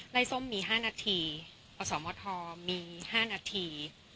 ส้มมี๕นาทีอสมทมี๕นาที